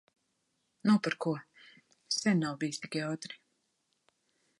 Nav par ko. Sen nav bijis tik jautri.